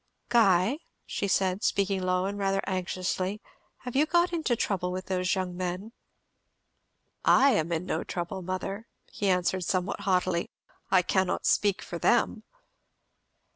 "Guy," she said speaking low and rather anxiously, "have you got into trouble with those young men?" "I am in no trouble, mother," he answered somewhat haughtily; "I cannot speak for them."